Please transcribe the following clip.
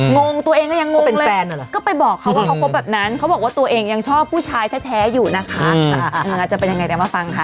งงตัวเองก็ยังงงเลยก็ไปบอกเขาว่าเขาคบแบบนั้นเขาบอกว่าตัวเองยังชอบผู้ชายแท้อยู่นะคะจะเป็นยังไงเดี๋ยวมาฟังค่ะ